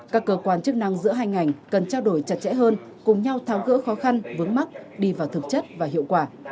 các cơ quan chức năng giữa hai ngành cần trao đổi chặt chẽ hơn cùng nhau tháo gỡ khó khăn vướng mắt đi vào thực chất và hiệu quả